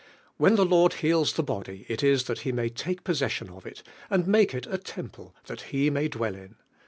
When the Lord heals I he body it is that He may take possession of il and make it a temple that He may dwell in.